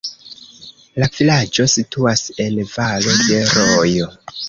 La vilaĝo situas en valo de rojo.